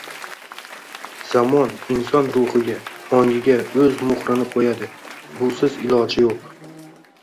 Zamon inson ruhiga, ongiga o‘z muhrini qo‘yadi, busiz iloj yo‘q